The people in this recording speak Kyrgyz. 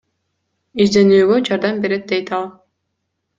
Изденүүгө жардам берет дейт ал.